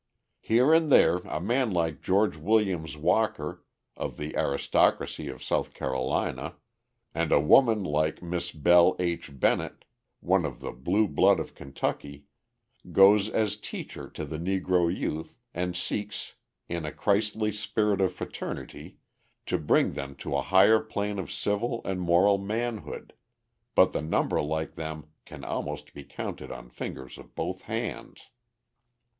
Here and there a man like George Williams Walker, of the aristocracy of South Carolina, and a woman like Miss Belle H. Bennett, of the blue blood of Kentucky, goes as teacher to the Negro youth, and seeks in a Christly spirit of fraternity to bring them to a higher plane of civil and moral manhood, but the number like them can almost be counted on fingers of both hands.